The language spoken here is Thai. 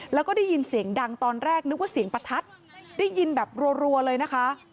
แล้วก็ได้ยินเสียงดังตอนแรกนึกว่าเสียงประทัดได้ยินแบบรัวเลยนะคะ